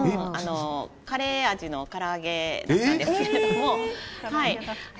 カレー味のから揚げなんですけれども。